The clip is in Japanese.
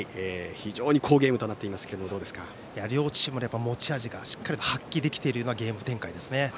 非常に好ゲームとなっていますが両チーム持ち味をしっかり発揮できているゲーム展開ですね。